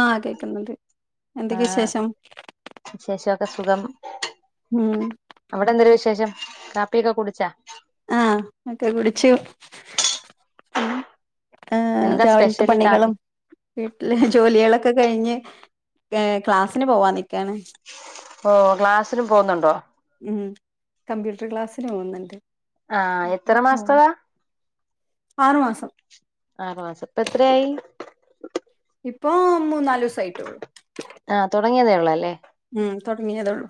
ആഹ് കേക്കുന്നുണ്ട് എന്തൊക്കെയ വിശേഷം വിശേഷമൊക്കെ സുഖം ഉം അവിടെ എന്തൊരു വിശേഷം കാപ്പിയൊക്കെ കുടിച്ചാ ആഹ് ഒക്കെ കുടിച്ചു അങ്ങനെ ആഹ് എന്താ രാവിലത്തെ സ്പെഷ്യല് കാപ്പി പണികളും വീട്ടില് ജോലികളൊക്കെ കഴിഞ്ഞ് ഏ ക്ലാസിന് പോവാ നിക്കാണ് ഓ ക്ലാസ്സിലും പോകുന്നുണ്ടോ ഉം കമ്പ്യൂട്ടർ ക്ലാസ്സിന് പോകുന്നുണ്ട് ആഹ് അപ്പൊ എത്ര പോവാൻ മാസത്തതാ ആറു മാസം ആറുമാസം ഇപ്പ എത്രയായി ഇപ്പൊ മൂന്നാല് ദിവസമായിട്ടുള്ളൂ ആഹ് തുടങ്ങിയതേ ഉള്ളൂ അല്ലേ ഉം തുടങ്ങിയതേ ഉള്ളു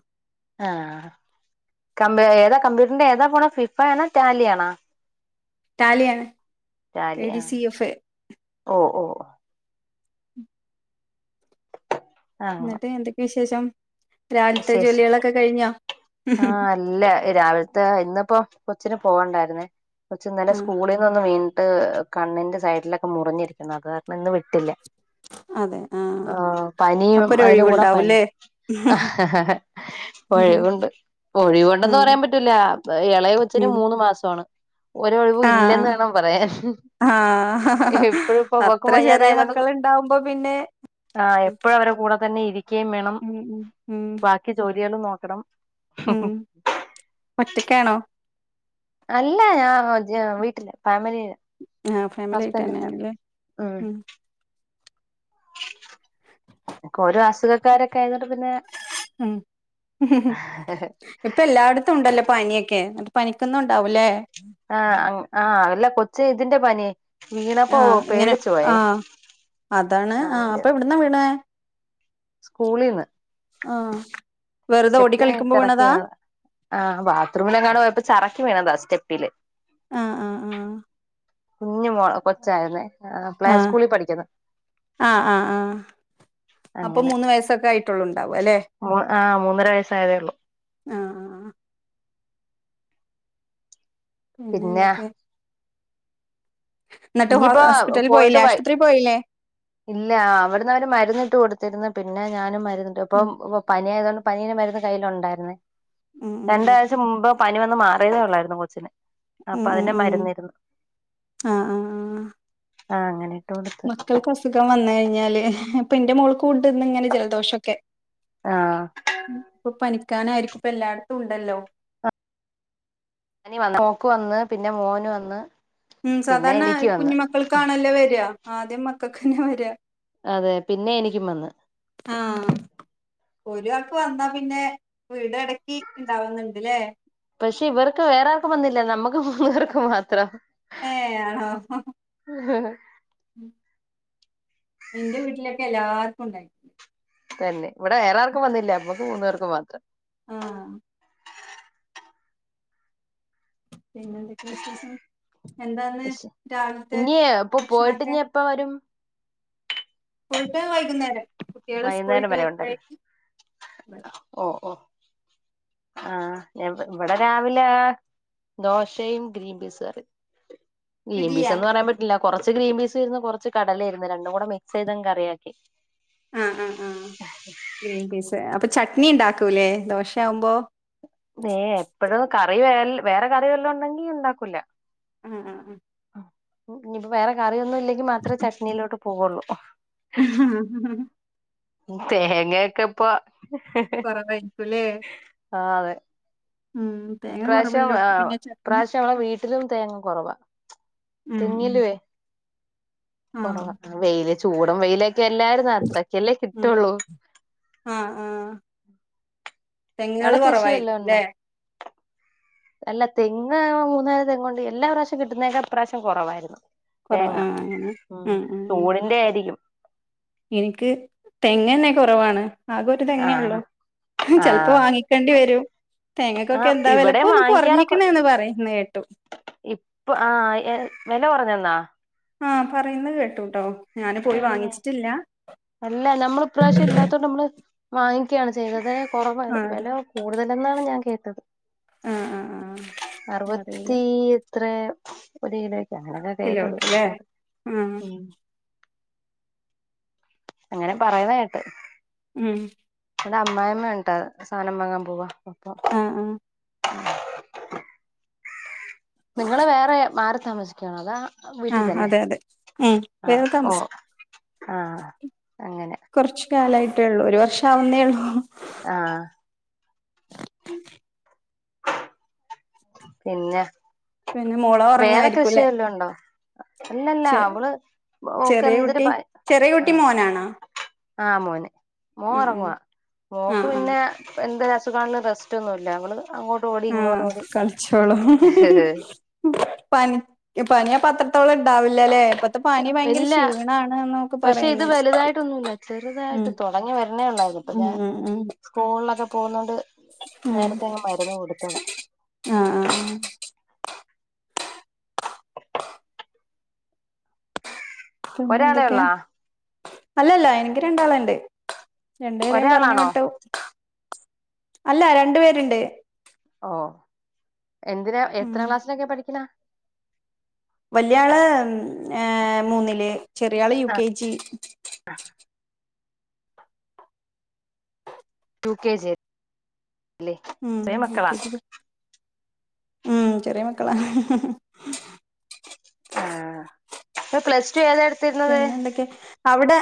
ആഹ്‌ ഏതാ കമ്പ്യൂട്ടറിന്റെ ഏതാ പോണ ഫിഫ ആണോ ടാലി ആണോ ടാലിയാണ് എ ഡി ടാലിയാ സി എഫ് എ ഓ ഓ ഓ ആഹ് ഇന്നിട്ട് എന്തൊക്കെ വിശേഷം രാവിലത്തെ ജോലിയാളൊക്കെ കഴ്ഞ്ഞഹോ ആഹ്‌ അല്ല രാവിലത്തെ ഇന്നിപ്പോ കൊച്ചിന് പോകണ്ടായിരുന്നേ കൊച്ച്ന്നലെ ആഹ് സ്കൂളിൽ മോനൊന്ന് വീണിട്ട് കണ്ണിന്റെ സൈഡിലൊക്കെ മുറിഞ്ഞിരിക്കുന്നു അത് കാരണം ഇന്ന് വിട്ടില്ല അതെ ആഹ് ആഹ്‌ പനിയും അപ്പൊരു അതിന്റെ കൂടെ പനി ഒഴിവുണ്ടാവൂല്ലേ ആ ഉം ഒഴിവുണ്ട് ഒഴിവുണ്ടെന്ന് പറയാൻ പറ്റൂല എളയ കൊച്ചിന് ഉം മൂന്ന് മാസമാണ് ഒരു ഒഴിവും ഇല്ലന്ന് വേണം പറയാൻ ആഹ്‌ എപ്പോഴും ഇപ്പൊ ഇവക്കും അത്ര ചെറിയ വയ്യാതായതുകൊണ്ട് മക്കൾ ഇണ്ടാവുമ്പോ പിന്നെ ആ ഉം എപ്പോയും അവരെ കൂടെ തന്നെ ഇരിക്കയും വേണം ഉം ഉം ഉം ബാക്കി ജോലിയാളും നോക്കണം ഉം [inaudible] ഒറ്റക്കാണോ അല്ല ഞാൻ വീട്ടില് ഫാമിലിയില് ആഹ് ഫാമിലി ആയിട്ട് ഹസ്ബൻഡ് ല്ലാ തന്നെയാണല്ലേ ഉം ഒക്കോരോ അസുഖക്കാരൊക്കെ ആയതോണ്ട്‌ പിന്നെ. ഉം ഇപ്പൊ എല്ലായിടത്തും ഇണ്ടല്ലോ പനിയൊക്കെ എന്നിട്ട് പനിക്കൊന്നും ഉണ്ടാവൂലേ ആ ആഹ് അല്ല കൊച്ച് ഇതിന്റെ പനി വീണപ്പോ ആഹ് ഇങ്ങനെ പേടിച്ച് പോയെ അതിന്റെ എന്നാ വീണേ സ്കൂളീന്ന് ആഹ്‌ വെറുതെ ഓടി കളിക്കുമ്പോ വീണതാ ആഹ് ബാത്റൂമിലെങ്ങടോ പോയപ്പോ ചറക്കി വീണതാ സ്റ്റെപ്പില് ആഹ്‌ ആഹ് ആഹ്‌ കുഞ്ഞു മോള് കൊച്ചായിരുന്നെ ആഹ ആഹ ആ ആ അപ്പൊ അങ്ങനെ മൂന്ന് വയസ്സൊക്കെ ആയിട്ട് ട്ടൊള്ളു ഇണ്ടാവല്ലേ ആ മൂന്നര വയസ്സായതേ ഒള്ളൂ ആഹ് ആഹ് പിന്നെ എന്തൊക്കെ ന്നിട്ട് ഇനിയിപ്പോ ഹോസ്പിറ്റലലിൽ പോയിട്ട് പോയില്ലേ വൈ ആശുപത്രിയിൽ പോയില്ലേ ഇല്ല അവിടുന്ന് അവര് മരുന്നിട്ട് കൊടുത്തിരുന്ന് പിന്നെ ഞാനും മരുന്നിട്ട് ഇപ്പൊ ഉം പനിയായതൊണ്ട് പനീന്റെ മരുന്ന് കയ്യിലുണ്ടായിരുന്നേ ഉം ഉം രണ്ടാ ഉം ആഴ്ച മുമ്പ് പനി വന്ന് മാറിയതേ ഉള്ളായിരുന്നു കൊച്ചിന് ഉ അപ്പൊ ഉം അതിന്റെ ഉം മരുന്നിരുന്നു ആഹ ആഹ്‌ ആഹ്‌ അങ്ങനെ കൊടുത്ത് മക്കൾക്ക് അസുഖം വന്ന് കഴിഞ്ഞാല് ഇപ്പൊ എന്റെ മോൾക്കും ഇണ്ട് ഇന്ന് ഇങ്ങനെ ജലദോഷക്കെ ആ ഇപ്പൊ പനിക്കാനായിരിക്കും ഇപ്പ എല്ലായിടത്തും ഉണ്ടല്ലോ പനി മോൾക്ക് വന്ന് പിന്നെ മോന് വന്ന് ഉം പിന്നെ സാധാരണ എനിക്ക് വന്ന് കുഞ്ഞു മക്കൾക്കാണല്ലേ വര ആദ്യം മക്കൾക്കന്നെ വര അതെ പിന്നെ എനിക്കും വന്ന് ആഹ്‌ ഒരാൾക്ക് വന്നാ പിന്നെ വീട് അടക്കി ഉണ്ടാവുന്നുണ്ട്ല്ലേ പക്ഷെ ഇവർക്ക് വേറെർക്കും വന്നില്ല നമ്മുക്ക് പിള്ളേർക്ക് മാത്രം ഏ ആണോ ഇന്റെ വീട്ടിലൊക്കെ എല്ലാർക്കും ഉണ്ടായിരുന്നു തന്നെ. വടെ വേറെ ആർക്കും വന്നില്ല. മ്മക്ക് മൂന്നാർക്കും മാത്രം. ആഹ് പിന്നെ എന്തൊക്കെ വിശേഷം എന്താന്ന് എശ്ശ. ഇ രാവിലത്തെ ഞ്ഞഞ്ഞിയെ പ്പൊ പോയിട്ട് ഭക്ഷണൊക്കെ ഞ്ഞി എപ്പ വരും? പോയിട്ട് വൈകുന്നേരം. കുട്ടികള് വൈകുന്നേരം സ്കൂളിട്ട് വരെ ഒണ്ടല്ലെ. വരുമ്പോഴേക്കും ഓഹ് ഓഹ് ആഹ്. ഞാൻ പ വടെ രാവിലേ ദോശയും, ഗ്രീൻ പീസ് കറിം. ഗ്രീം ഇഡ്ലിയാ പീസെന്ന് പറയാം പറ്റില്ല. കൊറച്ച് ഗ്രീം പീസ് ര്ന്ന് കൊറച്ച് കടല ഇര്ന്ന് രണ്ടും കൂടെ മിക് സെ യ്ത് അങ്ങ് കറിയാക്കി. ആഹ് ആഹ്ആഹ് ഗ്രീൻ പീസെ അപ്പൊ ചട്നി ണ്ടാക്കൂലേ ദോശയാ വ്മ്പോ? നേ ഹെ. പ്പഴും കറി വേൽ വേറെ കറി വെല്ലൊം ണ്ടെങ്കി ഉണ്ടാക്കൂല്ല. ഉം ഉം ഉം ഇഞ്ഞിപ്പം വേറെ കറിയൊന്നും ഇല്ലെങ്കി മാത്രേ ചട്നിയിലോട്ട് പോവുള്ളു. ആ തേങ്ങെക്കെ പ്പൊ കൊറെ കഴിക്കുംല്ലേ. ആഹ് തെ. തേങ്ങ ഇപ്രാശ്യം കുറവില്ലോടത്ത് ആഹ് പിന്നെ ചട്നി ഇപ്രാശ്യം അമ്മളെ വീട്ടിലും തേങ്ങ കൊറവാ. ഉം ഉം. ആഹ് കൊറവാ വെയില് ചൂടും വെയിലെക്കെ അല്ലായിര് ഉം. ആഹ് ആഹ് തെങ് അവിടെ കള് കൃഷി കൊറവായിരിക്കും വല്ലോം ഉണ്ടോ ല്ലേ? അല്ല തെങ്ങ് മൂന്നാല് തെങ്ങുണ്ട്. എല്ലാ പ്രാവശ്യം കിട്ടുന്നേക്കാ പ്രാവശ്യം കൊറവായിരുന്നു. കുറവ തേങ്ങ ആഹ് അങ്ങനെ ഉം. ഉം ചൂട് ൻ്റേയിരിക്കും. എനിക്ക് തെങ്ങന്നെ കുറവാണ്. ആകെ ഒരു തെങ്ങേള്ളു. ആഹ് ചെൽപ്പോ ആഹ് വാങ്ങിക്കേണ്ടി വരും. തേങ്ങക്കൊക്കെ ആഹ് എന്താ വെല. ഇവിടെ പ്പൊന്ന് വാങ്ങിക്കാറൊക്കെ കൊർഞ്ഞിക്ക്ണ് എന്ന് പറയുന്നെ കേട്ടു. ഇപ്പൊ ആഹ് ഏഹ് വെല കൊർഞ്ഞന്നാ. ആഹ് പറയുന്നത് കേട്ടുട്ടോ. ഞാന് പോയി തന്നെ വാങ്ങിച്ച്ട്ടില്ലാ. അല്ല നമ്മൾ ഇപ്രാശ്യം ഇല്ലാത്തോണ്ട് മ്മള് വാങ്ങിക്കയാണ് ചെയ്തത്. ആ കൊറവാള് അത് വെലാ കൂട്തലന്നാണ് ഞാ കേട്ടത്. ആ ആ അറുപ ആ അറിയില്ല ത്തീ ത്രേ ഒര് കിലോക്കാ അങ്ങനൊക്കാ കേട്ടത് കിലോക്ക്ല്ലേ അഹ്. ആഹ് ഉം അങ്ങനെ പറയന്ന കേട്ട്. ഉം വടെ അമ്മായമ്മ ണ്ട്. സാനം വാങ്ങാം പോവാ. അപ്പം ആഹ് ആഹ് നിങ്ങള് വേറെ മാറി താമസിക്കണോ അതാ? വീട്ടീ ആഹ് തന്നെ. അതെ അതെ ഉം ആഹ് വേറെ താമസി ഓഹ് ആഹ് അങ്ങനെ കൊർച്ച് കാലായിട്ടേള്ളൂ. ഒര് വർഷ ആവുന്നേ ഉള്ളൂ. ആഹ് പിന്നെ? പിന്നെ മോള് വേറെ കൃഷി ഉറങ്ങായിരിക്കുംല്ലേ വല്ലോ ണ്ടോ? അല്ലല്ലാ. ചെ അവ്ള് ഓക്ക് ചെറിയ എന്തെര് കുട്ടി പ ചെറിയ കുട്ടി ആഹ് മോനാണോ ആഹ് മോന്. മോ ഉം ഉം ഒറങ്ങുവാ. മോക്ക് ആഹ് ആഹ് പിന്നെ പ്പെ എന്തെര് അസുഖാള്ളും റെസ്‌റ്റൊന്നുംല്ലാ. അങ്ങനൊന്ന് അങ്ങോട്ട് ഓടി ഇങ്ങോട്ട് ആഹ് ഓടി കൾച്ചോളും പനി പനിയാപ്പത്രത്തോളം ഇണ്ടാവില്ലല്ലേ ത്തെ പനി ഭയങ്കര ഇല്ല ക്ഷീണാണ് ന്നൊക്കെ പക്ഷെ ഇത് പറയുന്നു വലുതായിട്ടൊന്നുമില്ല ഉം ചെറുതായിട്ട് ഉം ഉം സ്കൂൾലൊക്കെ പോകുന്നോണ്ട് ഉം നേരത്തെയങ്ങ് മരുന്ന് കൊടുക്കണം. ആഹ് ആഹ് പിന്നെ ഒരാളെ എന്തൊക്കെ ഉള്ളാ അല്ലല്ല എനിക്ക് രണ്ടാള്ണ്ട്. രണ്ടുപേരേ പറഞ്ഞു ഒരാളാണോ വിട്ടു അല്ല രണ്ടു പേര്ണ്ട്. ഓ എന്തിനാ ഉം എത്രാം ക്ലാസ്സിലൊക്കെ പഠിക്ക്‌ണെ വല്യയാള് ഏ മൂന്നില് ചെറിയാള് യു കെ ജി ആഹ യു കെ ജില് ഉം ചെറിയ യു മക്കളാ കെ ജി ഉം ചെറിയ മക്കളാ ആഹ് അപ്പ പ്ലസ് ടു ഏതായിടു പിന്നെന്തൊക്കെ അവിടെ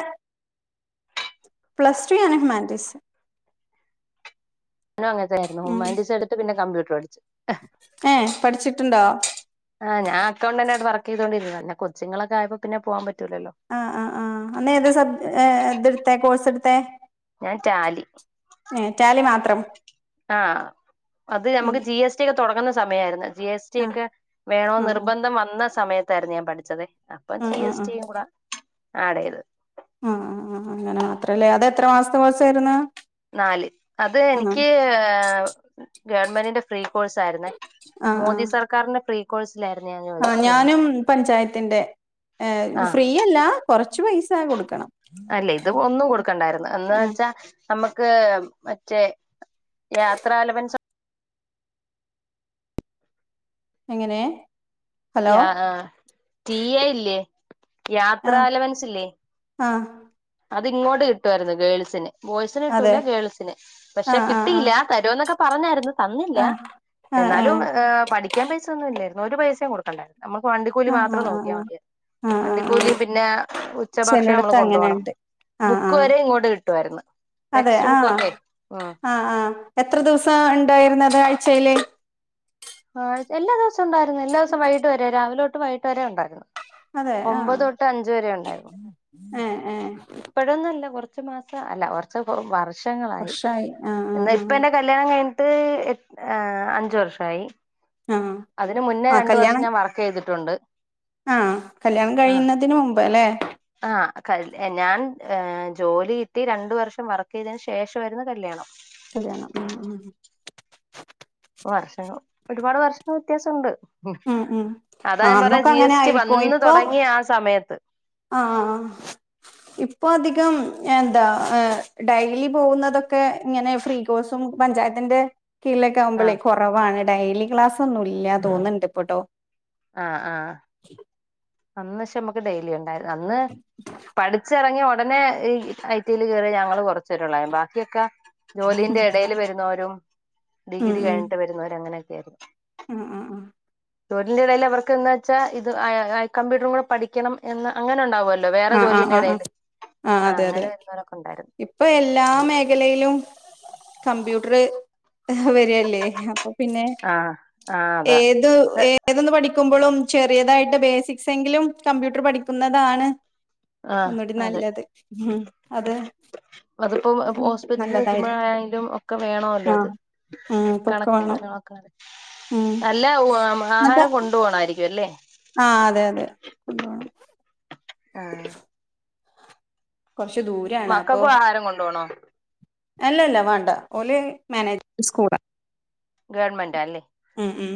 പ്ലസ് ടു ആണ് ഹ്യുമാൻറ്റീസ് നും അങ്ങനെ തന്നെയായിരുന്നു. ഉം ഹ്യൂമാൻറ്റീസ്‌ എടുത്ത് പിന്നെ കമ്പ്യൂട്ടർ പടിച്ച് ഏഹ് പട്ച്ചിട്ട്ണ്ടോ ആഹ് ഞാ അക്കൗണ്ടന്റായിട്ട് വർക്കെയ്തോണ്ടിരുന്നതാ. ന്നെ കൊച്ചുങ്ങളൊക്കെ ആയപ്പ പിന്നെ പോവാൻ പറ്റുലല്ലോ. ആഹ് ആഹ് ആ്ഹ് അന്ന് ഏത് സബ് ഇത്ട്ത്തേ കോഴ്സ്ട്ത്തെ ഞാൻ റ്റാലി ഏഹ് ടാലി മാത്രം. ആഹ് അത് ഉം നമുക്ക് ജി എസ് ടി ഒക്കെ തൊട്ങ്ങുന്ന സമയായിരുന്നു. ജി എസ് ടി ആഹ് ഒക്കെ വേണോ ആഹ് നിർബന്ധം വന്ന സമയ ത്തായിരുന്നു ഞാൻ പഠിച്ചത്. അപ്പം ആഹ് ജി ആഹ് എസ് ടിം കൂടെ ആടേത് ആഹ് ആഹ് അങ്ങനെ മാത്രല്ലേ അതത്രെ മാസ്ത്തെ കോഴ്സായിരുന്നു നാല് അത് ആഹ് എനിക്ക് ഗവൺമെന്റിന്റെ ഫ്രീ കോഴ്സ് ആയിരുന്നേ ആഹ് മോദി ആഹ് സർക്കാരിന്റെ പ്രീ കോഴ്സിലായിര്ന്നോ ആഹ് ഞാനും പഞ്ചായത്തിന്റെ ആഹ് ഫ്രീയല്ല കൊറച്ച് പൈസ കൊടുക്കണം. അല്ലേ ഇത് ഒന്നും കൊടുക്കണ്ടായിരുന്നു. അന്ന് ആഹ് വെച്ചാ നമ്മക്ക് മറ്റേ യാത്രലവൻസ് എങ്ങിനെ ആഹ് ടീ എ ഇല്ലേ യാത്ര ആഹ് അലവൻസ് ല്ലേ ആഹ് അതിങ്ങോട്ട് കിട്ടുവായിരുന്നു. ഗേൾസിന് ബോയ്സിന് അതെ കിട്ടൂല്ല ഗേൾസിന് പക്ഷെ ആഹ് ആഹ് കിട്ടിയില്ല. തരോന്നൊക്കെ പറഞ്ഞായിരുന്നു തന്നില്ല. ആഹ് ആഹ് ആഹ് എന്നാലും പഠിക്കാ പൈസ ഒന്നുല്ലായിരുന്നു. ഒരു പൈസയും കൊടുക്കണ്ടായിരുന്നു. നമ്മുക്ക് വണ്ടിക്കൂലി ആഹ് മാത്രം ആഹ് നോക്കിയാ ആഹ് മതി. ആഹ് ആഹ് ആഹ് ആഹ് വണ്ടിക്കൂലിം പിന്നെ ഉച്ച ഭക്ഷണം അമ്മള് ചെലടത്ത് കൊണ്ടോണം. അങ്ങനെണ്ട് ആഹ് ബുക്ക് ആഹ് വരെ ഇങ്ങോട്ട് കിട്ടുവായിരുന്നു. അതെ ടെക്സ്റ്റ് ആഹ് ബുക്കൊക്കെ ഉം ആഹ് ആഹ് എത്ര ദിവസം ഇണ്ടായിരുന്നത് ആഴ്ച്ചേല് ആഹ് എല്ലാ ദിവസം ഉണ്ടാര്ന്നു. എല്ലാസം വൈകിട്ട വരെ രാവിലൊട്ട് വൈകിട്ട് വരെ ഉണ്ടാര്ന്നു അതെ ആഹ് ഒമ്പതൊട്ട് അഞ്ച് വരെ ഉണ്ടായിര്ന്നു. ഏഹ് ഏഹ് ഇപ്പഴൊന്നുംല്ല കൊർ ച്ച് മാസം അല്ല കൊർച്ച് വര്ഷങ്ങളായി വർഷായി ആഹ് ഇന്ന് ആഹ് ആഹ് പ്പന്റെ ക ല്യാണം കഴിഞ്ഞിട്ട് അഞ്ച് വർഷായി. ആഹ് അതിന് മുന്നേ ആഹ് രണ്ട് വർഷം കല്യാണം ഞാൻ വർക്കെയ്തിട്ടുണ്ട്. ആഹ് കല്യാണം കഴിയുന്നതിന് മുമ്പ് ല്ലേ ആഹ് കല് ഞാൻ ജോലി കിട്ടി രണ്ട് വർഷം വർക്കെയ്തിന് ശേഷവായിരുന്നു കല്യാണം കല്യാണം ഉം ഉം വർഷങ്ങള് ഒരുപാട് വർഷത്തെ വ്യത്യാസം ഉണ്ട് ഉം ഉം അതാ ആ ഞാൻ പറഞ്ഞെ അന്നൊക്കെ ജി അങ്ങനെ എസ് ടി ആയിരിക്കും വന്ന് തൊടങ്ങിയ ആ സമയത്ത് ആഹ് ഇപ്പൊ അധികം എന്താ ഡെയ്ലി പോകുന്നതൊക്കെ ഇങ്ങനെ ഫ്രീ കോസും പഞ്ചായത്തിന്റെ കീഴലൊക്കെ ആകുമ്പളേ ആഹ് കൊറവാണ് ഡെയ്ലി ക്ലാസൊന്നും ഇല്ല തോന്ന്ണ്ട് ഇപ്പട്ടോ ആഹ് ആഹ് അന്ന് പക്ഷെ നമക്ക് ഡെയിലി ഉണ്ടായിര്ന്ന് അന്ന് പഠിച്ചെറങ്ങിയ ഒ ടനെ ഈ ഐ ടില് കേറിയ ഞങ്ങള് കൊറച്ച് പേരൊള്ളാര്ന്നു ബാക്കിയൊക്കെ ജോലിന്റെ എടേല് വരുന്നവരും ഡിഗ്രി കഴിഞ്ഞിട്ട് വരുന്നവരും അങ്ങനെയൊക്കെയായിരുന്നു ആഹ് ആഹ് ആഹ് ജോലിന്റെ എടേല് അവർക്ക് എന്തിച്ചാ ഇത് കമ്പ്യൂട്ടറും കൂടെ പഠിക്കണം എന്ന് അങ്ങനെ ഉണ്ടാവൊ ല്ലൊ വേറെ ആ ആ ആ ജോലിന്റെ ആ ആ എടയില് ആ ആ ആഹ് അതെ അതെ അങ്ങനെ വരുന്നോരൊക്കെ ഉണ്ടായിരുന്നു ഇപ്പൊ എല്ലാ മേഖലയിലും കമ്പ്യൂട്ടർ വരല്ലേ അ പ്പൊ പിന്നെ ആ ആ അതാ ഏത് ഏ ഏതൊന്ന് പഠിക്കുമ്പളും ചെറിയതായിട്ട് ബേസിക്സ് എങ്കിലും കമ്പ്യൂട്ടർ പഠിക്കുന്നതാണ് ആ ഒന്നൂടി അതെ നല്ലത് ഉം അത് അതിപ്പോ ഉം ഹോസ്പിറ്റലിൽ നല്ലതായിരിക്കും നിൽക്കുമ്പോഴെങ്കിലും ഒക്കെ വേണോല്ലോ അത് ആഹ് ഉം പൊക്കെ കണക്കും വേണം കാര്യങ്ങളൊക്കെ പറയ ഉം അല്ല എന്നിട്ട് ആഹാരം കൊണ്ടോവണായിരിക്കും അല്ലേ ആഹ് അതെ അതെ കൊണ്ടോവണം ആഹ് കൊറ്ച്ച് ദൂര മക്കക്കും ആഹാരം കൊണ്ടോവണോ അല്ല അല്ല വാണ്ട ഓല് മാനേജ് സ്കൂളാ ഗവർൺമെന്റാ അല്ലേ ഉം ഉം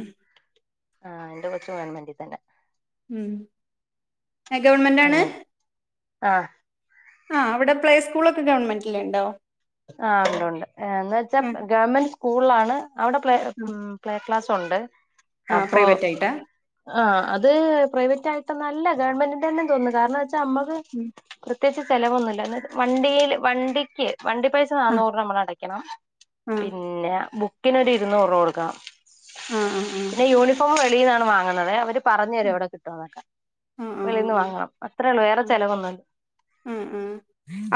ആഹ് ഇന്റെ കൊച്ചും ഗവൺമെന്റി തന്നെ ഉം ഏഹ് ഗവൺമെന്റാണ് ഗവൺമെന്റ് ആഹ് ആഹ് അവിടെ പ്ലേ സ്കൂളൊക്കെ ഗവൺമെന്റില് ഇണ്ടോ ആഹ് ഉണ്ട് ഉണ്ട് എന്ന് വെച്ചാ ഉം ഗവൺമെന്റ് സ്കൂളിലാണ് അവിടെ പ്ലേ ഉം പ്ലേ ക്ലാസ് ഉണ്ട് ആഹ് അപ്പോ പ്രൈവറ്റ് ആയിട്ടാ ആഹ് അത് പ്രൈവറ്റ് ആയിട്ടൊന്നല്ല ഗവൺമെന്റിന്റെ തന്നെ തോന്നുന്നു കാരണം വെച്ചാ നമ്മക്ക് ഉം പ്രത്യേകിച്ച് ചെലവൊന്നുല്ല വണ്ടിയില് വണ്ടിക്ക് വണ്ടി പൈസ ആഹ് നാന്നൂറ്പ നമ്മള് അടക്കണം ആഹ് പിന്നെ ബുക്കിനൊരു ഇരുന്നൂറ് രൂപ കൊടുക്കണം ആഹ് ആഹ് ആഹ് പിന്നെ യൂണിഫോം വെളീന്നാണ് വാങ്ങുന്നത് അവര് പറഞ്ഞെരും എവിടെ കിട്ടോന്നൊക്കെ ആഹ് ആഹ് ആഹ് വെളിയിന്ന് വാങ്ങണം അത്രേ ഒള്ളൂ വേറെ ചിലവൊന്നുല്ല ഉം ഉം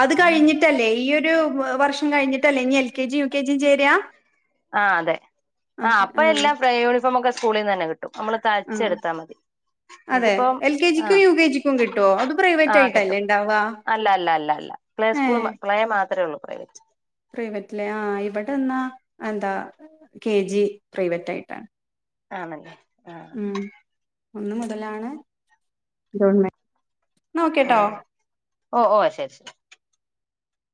അത് കഴിഞ്ഞിട്ടല്ലേ ഈയൊരു വർഷം കഴിഞ്ഞിട്ടല്ലേ ഇനി എൽ കെ ജിയും യു കെ ജിയും ചേരാ ആഹ് അതെ ആഹ് അപ്പൊ എല്ലാം യൂണിഫോം ഒക്കെ സ്കൂളിൽ നിന്ന് തന്നെ കിട്ടും നമ്മള് ആഹ് തയ്ച്ചെടുത്താ മതി അതെ ഇതിപ്പം എൽ കെ ജിക്കും ആഹ് യു കെ ജിക്കും കിട്ടുവോ അത് പ്രൈവറ്റ് ആഹ് ആയിട്ടല്ലേ കിട്ടും ഉണ്ടാവാ അല്ല അല്ല അല്ല അല്ല പ്ലേ സ്കൂള് മാ പ്ലേ മാതിരി ഒള്ളൂ പ്രൈവറ്റ് പ്രൈവറ്റ്ലെ ആഹ് ഇവിടെന്നാ എന്താ കെ ജി പ്രൈവറ്റായിട്ടാണ് ആണല്ലേ ആഹ് ഉം ഒന്ന് മുതലാണ് എന്നാ ഓക്കെട്ടോ ഓ ഓ ഓ ശെരി ശെരി